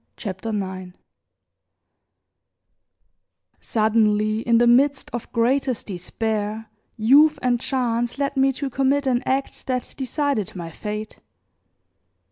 CHAPTER IX SUDDENLY, in the midst of greatest despair youth and chance led me to commit an act that decided my fate.